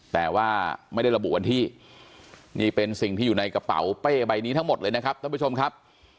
แต่ว่าไม่ได้ระบุวันที่นี่เป็นสิ่งที่อยู่ในกระเป๋าเป้ใบนี้ทั้งหมดเลยนะครับท่านผู้ชมครับ